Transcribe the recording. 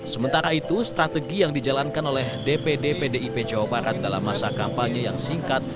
sementara itu strategi yang dijalankan oleh dpd pdip jawa barat dalam masa kampanye yang singkat